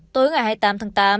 tối ngày hai mươi tám tháng tám